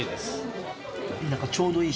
なんかちょうどいい